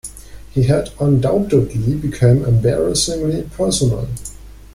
He had undoubtedly become embarrassingly personal.